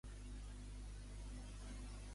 Qui eren els Cercops?